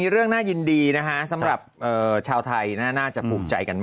เรื่องน่ะยินดีนะสำหรับชาวไทยน่าจะปฎบใจกัน